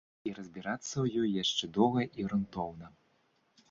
І разбірацца ў ёй яшчэ доўга і грунтоўна.